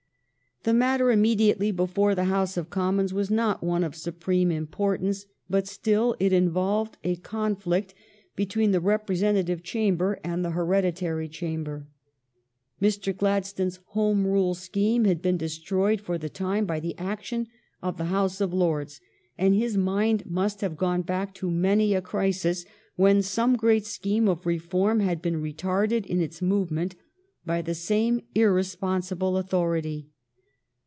The matter immediately before the House of Commons was not one of supreme importance, but still it involved a conflict between the Repre ^*THE LONG DAY'S TASK IS DONE" 387 sentative Chamber and the Hereditary Chamber. Mr. Gladstone's Home Rule scheme had been destroyed for the time by the action of the House of Lords, and his mind must have gone back to many a crisis when some great scheme of reform had been retarded in its movement by the same irresponsible authority.